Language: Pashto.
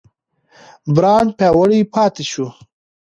برانډ پیاوړی پاتې شو.